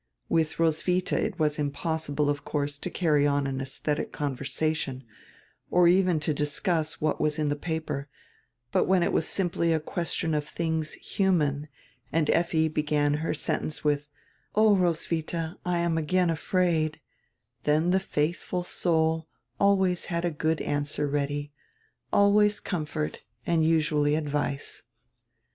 Widi Roswitha it was impossible, of course, to carry on an esdietic conversation, or even to discuss what was in die paper, but when it was simply a question of tilings human and Effi began her sentence with, "Oh, Roswitha, I am again afraid," then the faithful soul always had a good answer ready, always comfort and usually advice.